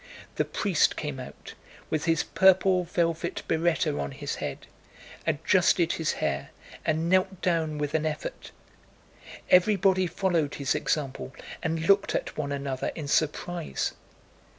The priest came out with his purple velvet biretta on his head, adjusted his hair, and knelt down with an effort. Everybody followed his example and they looked at one another in surprise.